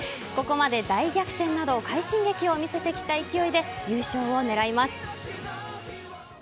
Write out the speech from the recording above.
ここまで大逆転など快進撃を見せてきた勢いで優勝を狙います。